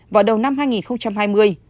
vào đầu năm hai nghìn hai mươi